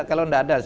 kita lihat kan ada